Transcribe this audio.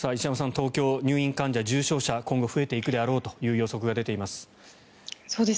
東京入院患者、重症者今後増えていくだろうという予測が出ています。